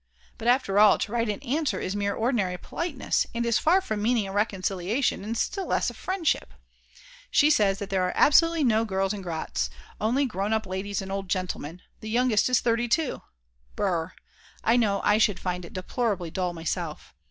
But after all, to write an answer is mere ordinary politeness, and is far from meaning a reconciliation, and still less a friendship. She says that there are absolutely no girls in Gratsch, only grown up ladies and old gentlemen, the youngest is 32! brr, I know I should find it deplorably dull myself.